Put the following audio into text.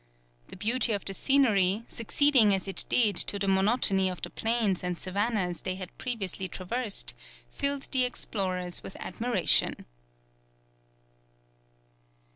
The beauty of the scenery, succeeding as it did to the monotony of the plains and savannahs they had previously traversed, filled the explorers with admiration.